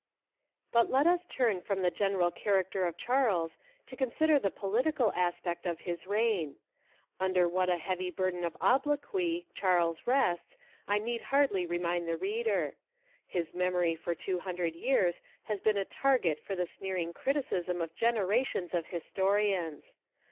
But let us turn from the general character of Charles to consider the political aspect of his reign. Under what a heavy burden of obloquy Charles rests I need hardly remind the reader. His memory for 200 years has been a target for the sneering criticism of generations of historians.